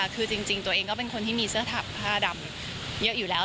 คือจริงตัวเองก็เป็นคนที่มีเสื้อถักผ้าดำเยอะอยู่แล้ว